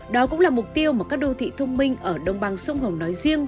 đó cũng là mục tiêu mà các đô thị thông minh ở đồng bằng sông hồng nói riêng